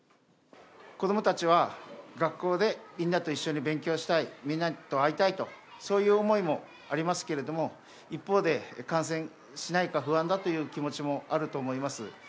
子どもたちは学校で、みんなと一緒に勉強したい、みんなと会いたいと、そういう思いもありますけども、一方で、感染しないか不安だという気持ちもあると思います。